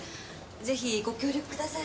ぜひご協力ください。